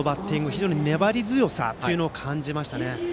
非常に粘り強さを感じましたね。